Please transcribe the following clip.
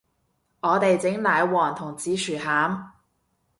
我哋整奶黃同紫薯餡